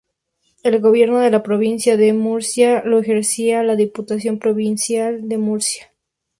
El gobierno de la provincia de Murcia lo ejercía la Diputación Provincial de Murcia.